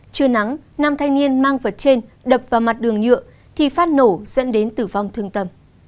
trưa nắng năm thanh niên mang vật trên đập vào mặt đường nhựa thì phát nổ dẫn đến tử vong thương tâm